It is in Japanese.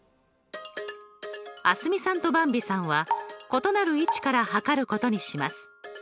蒼澄さんとばんびさんは異なる位置から測ることにします。